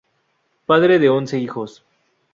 Padre de once hijos.